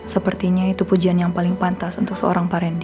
sepertinya itu pujian yang paling pantas untuk seorang parendy